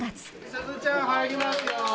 スズちゃん入りますよ。